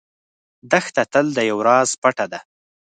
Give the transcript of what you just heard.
دښته تل د یو راز پټه ده.